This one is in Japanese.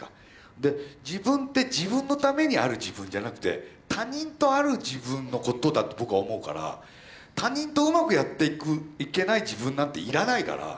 で自分って自分のためにある自分じゃなくて他人とある自分のことだと僕は思うから他人とうまくやっていくいけない自分なんて要らないから。